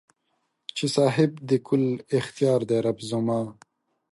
چې صاحب د کل اختیار دې رب زما